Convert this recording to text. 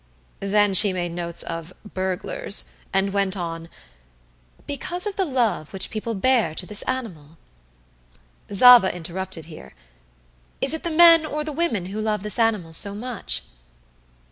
Then she made notes of "burglars" and went on: "because of the love which people bear to this animal." Zava interrupted here. "Is it the men or the women who love this animal so much?"